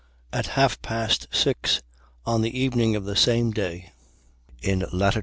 At half past six on the evening of the same day, in lat.